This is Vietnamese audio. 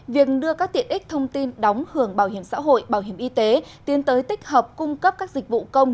việc đưa các tiện ích thông tin đóng hưởng bảo hiểm xã hội bảo hiểm y tế tiến tới tích hợp cung cấp các dịch vụ công